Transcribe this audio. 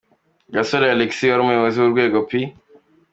Gasore Alexis wari umuyobozi w’urwego P.